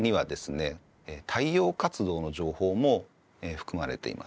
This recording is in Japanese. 太陽活動の情報も含まれています。